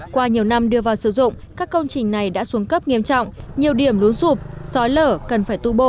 qua nhiều năm đưa vào sử dụng các công trình này đã xuống cấp nghiêm trọng nhiều điểm lúa rụp sói lở cần phải tu bổ